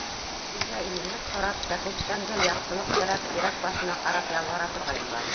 Илгә именлек һорап, кәкүктән гел яҡшылыҡ теләп, тирәк башына ҡарап ялбара торғайнылар.